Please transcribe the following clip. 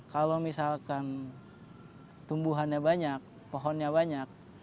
kalau misalkan tumbuhannya banyak pohonnya banyak